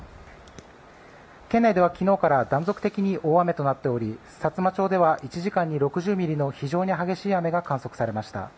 県内では昨日から断続的に大雨となっておりさつま町では１時間に６０ミリの非常に激しい雨が観測されました。